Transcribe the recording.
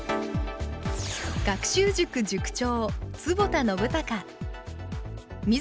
学習塾塾長